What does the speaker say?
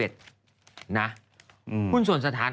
หุ้นส่วนสถาน